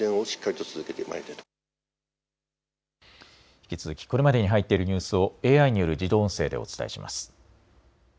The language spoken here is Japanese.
引き続きこれまでに入っているニュースをＡＩによる自動音声でお伝えします。